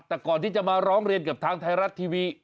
แต่ก่อนที่จะมาร้องเรียนกับทางไทยรัฐทีวี